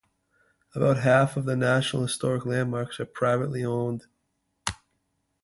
About half of the National Historic Landmarks are privately owned.